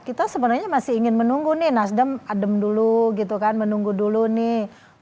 kita sebenarnya masih ingin menunggu nih nasdem adem dulu gitu kan menunggu dulu nih